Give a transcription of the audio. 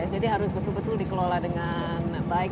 jadi harus betul betul dikelola dengan baik